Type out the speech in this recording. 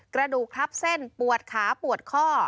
กระดูกทับเส้นปวดขาปวดข้อ